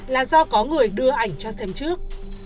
là do có người đưa ảnh cho xem trước